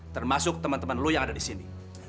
termasuk teman teman lo yang ada di sini